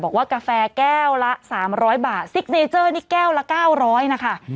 กาแฟแก้วละ๓๐๐บาทซิกเนเจอร์นี่แก้วละ๙๐๐นะคะ